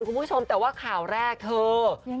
คุณผู้ชมแต่ว่าข่าวแรกเธอ